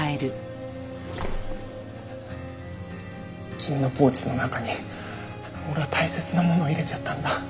君のポーチの中に俺は大切なものを入れちゃったんだ。